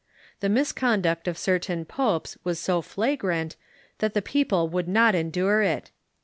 The misconduct of certain popes was so flagrant that the peo ple would not endure it.